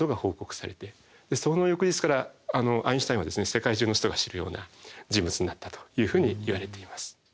その翌日からアインシュタインは世界中の人が知るような人物になったというふうにいわれています。